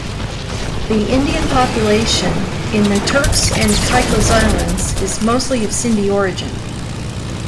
The Indian population in the Turks and Caicos Islands is mostly of Sindhi origin.